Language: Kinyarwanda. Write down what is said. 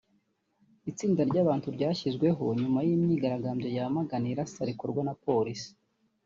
Itsinda ry'abantu bashyizweho nyuma y'imyigaragambyo yamagana irasa rikorwa na polisi